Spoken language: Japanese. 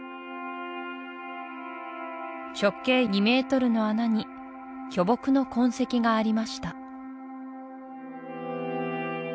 直径２ｍの穴に巨木の痕跡がありました